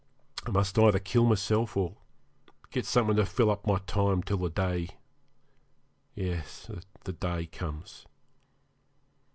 I must either kill myself, or get something to fill up my time till the day yes, the day comes.